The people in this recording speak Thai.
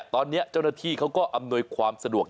ตอนนี้เจ้าหน้าที่เขาก็อำนวยความสะดวก